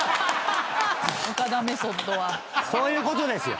そういうことですよ。